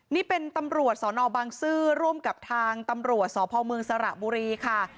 นี่เป็นตำรวจสนบังซื้อร่วมกับทางตำรวจสพเมืองสระบุรีค่ะ